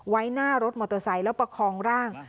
ไว้หน้ารถมอเตอร์ไซค์แล้วประคองร่าง